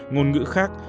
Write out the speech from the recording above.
ngôn ngữ khác